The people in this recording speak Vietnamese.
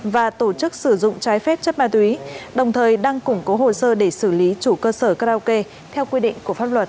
và tổ chức sử dụng trái phép chất ma túy đồng thời đang củng cố hồ sơ để xử lý chủ cơ sở karaoke theo quy định của pháp luật